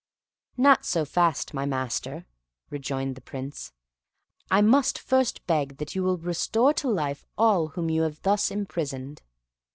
"Not so fast, my master," rejoined the Prince; "I must first beg that you will restore to life all whom you have thus imprisoned."